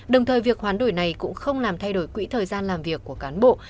đồng thời việc hoán đổi này cũng không làm thay đổi quỹ thời gian làm việc của cán bộ